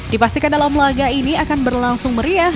dipastikan dalam laga ini akan berlangsung meriah